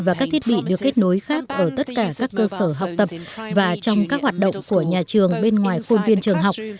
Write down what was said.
và các thiết bị được kết nối khác ở tất cả các cơ sở học tập và trong các hoạt động của nhà trường bên ngoài khuôn viên trường học